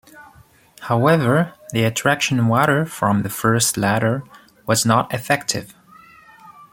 However, the attraction water from this first ladder was not effective.